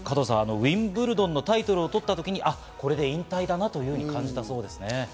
ウィンブルドンのタイトルを獲った時に、これで引退だなと感じたそうですね。